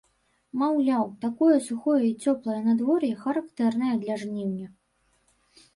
Маўляў, такое сухое і цёплае надвор'е характэрнае для жніўня.